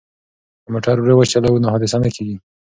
که موټر ورو وچلوو نو حادثه نه کیږي.